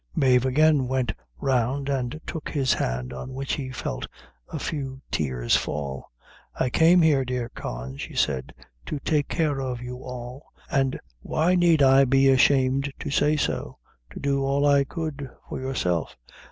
Mave again went round and took his hand, on which he felt a few tears fall. "I came here, dear Con," she said, "to take care of you all, and why need I be ashamed to say so to do all I could for yourself.